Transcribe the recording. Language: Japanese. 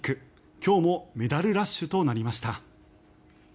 今日もメダルラッシュとなりました。